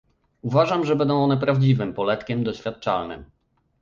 Uważam, że będą one prawdziwym poletkiem doświadczalnym